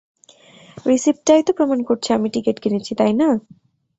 রিসিপ্টটাই তো প্রমাণ করছে আমি টিকেট কিনেছি, তাই না?